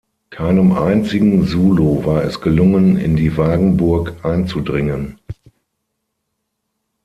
Keinem einzigen Zulu war es gelungen, in die Wagenburg einzudringen.